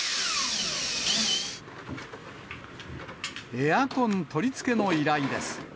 エアコン取り付けの依頼です。